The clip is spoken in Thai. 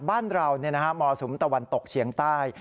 บ้านเรามรสุมตะวันตกเฉียงใต้